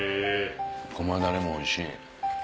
ごまだれもおいしい。